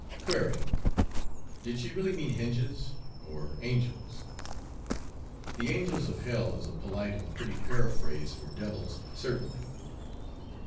Query: Did she really mean hinges or angels? The angels of hell is a polite and pretty paraphrase for devils, certainly.